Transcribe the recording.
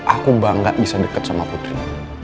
aku bangga bisa dekat sama putri